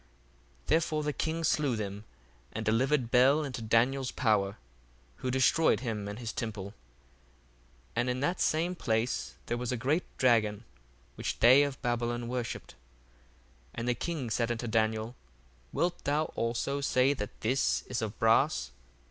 1:22 Therefore the king slew them, and delivered Bel into Daniel's power, who destroyed him and his temple. 1:23 And in that same place there was a great dragon, which they of Babylon worshipped. 1:24 And the king said unto Daniel, Wilt thou also say that this is of brass?